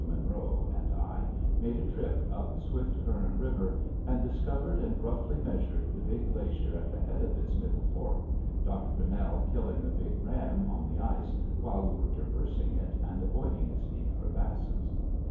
Monroe, and I made a trip up Swift Current River, and discovered and roughly measured the big glacier at the head of its middle fork, Dr. Grinnell killing a big ram on the ice while we were traversing it and avoiding its deep crevasses.